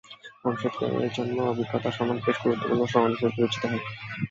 ভবিষ্যৎ ক্যারিয়ারের জন্য অভিজ্ঞতা সনদ বেশ গুরুত্বপূর্ণ সনদ হিসেবে বিবেচিত হয়।